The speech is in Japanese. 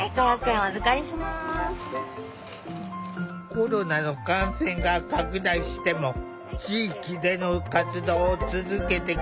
コロナの感染が拡大しても地域での活動を続けてきた。